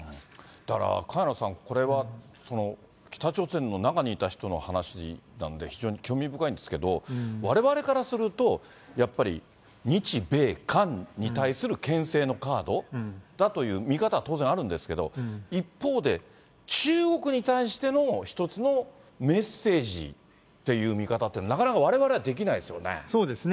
だから萱野さん、これは北朝鮮の中にいた人の話なんで、非常に興味深いんですけど、われわれからすると、やっぱり日米韓に対するけん制のカードだという見方は当然あるんですけど、一方で、中国に対しての一つのメッセージっていう見方って、なかなかわれわれはできないですよね。